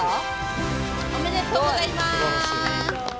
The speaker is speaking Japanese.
おめでとうございます！